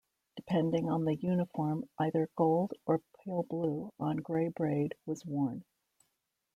Depending on the uniform, either gold or pale blue on grey braid was worn.